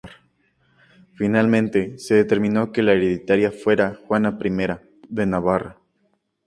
Finalmente se determinó que la hereditaria fuera Juana I de Navarra.